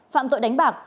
phạm tội đánh bạc